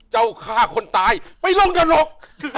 เจ้าฆ่าคนตายไปลงนรก